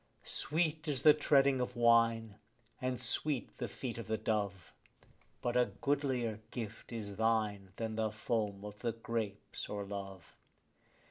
Sweet is the treading of wine, and sweet the feet of the dove; But a goodlier gift is thine than foam of the grapes or love.